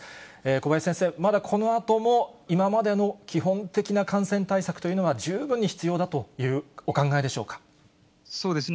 小林先生、まだこのあとも今までの基本的な感染対策というのは十分に必要だそうですね。